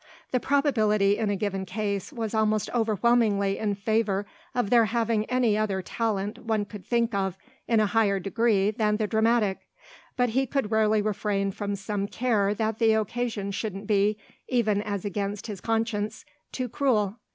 The probability in a given case was almost overwhelmingly in favour of their having any other talent one could think of in a higher degree than the dramatic; but he could rarely refrain from some care that the occasion shouldn't be, even as against his conscience, too cruel.